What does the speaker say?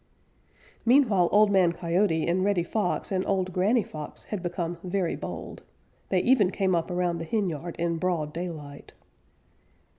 Meanwhile Old Man Coyote and Reddy Fox and Old Granny Fox had become very bold. They even came up around the henyard in broad daylight.